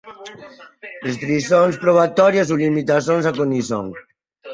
restrições probatórias ou limitações à cognição